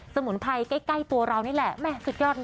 สมุนไพรใกล้ตัวเรานี่แหละแม่สุดยอดนะ